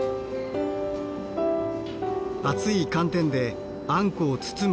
熱い寒天であんこを包む作業。